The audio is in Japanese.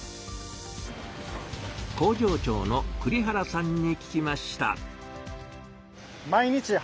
工場長の栗原さんに聞きました。